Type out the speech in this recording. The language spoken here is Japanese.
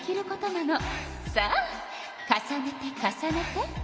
さあ重ねて重ねて。